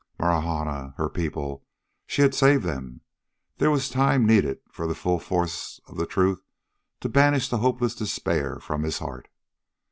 Marahna! Her people! She had saved them! There was time needed for the full force of the truth to banish the hopeless despair from his heart.